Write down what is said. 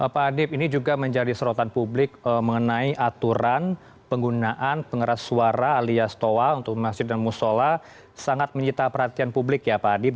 pak adip ini juga menjadi serotan publik mengenai aturan penggunaan pengeras suara alias toa untuk masjid dan musola sangat menyita perhatian publik ya pak adib